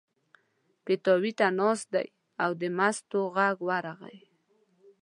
پیتاوي ته ناست دی او د مستو غږ ورغی.